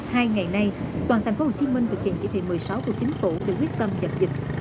hai ngày nay toàn tp hcm thực hiện chỉ thị một mươi sáu của chính phủ về quyết tâm dập dịch